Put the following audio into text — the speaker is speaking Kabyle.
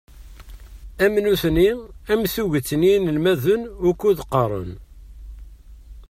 Am nutni am tuget n yinelmaden ukkud ɣaren.